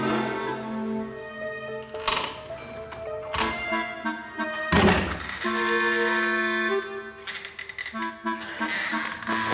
aku mau tidur